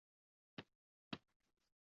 在场上司职左后卫。